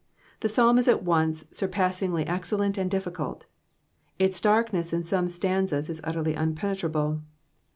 The Psalm is at once surpassingly excellent and difficult Its darkness in some stanzas is utterly impenetrable.